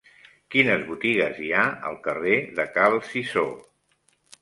Quines botigues hi ha al carrer de Cal Cisó?